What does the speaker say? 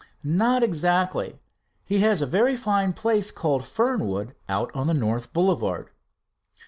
"Not exactly. He has a very fine place called Fernwood, out on the North Boulevard."